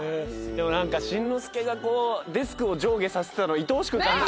でも何かしんのすけがデスクを上下させてたのいとおしい。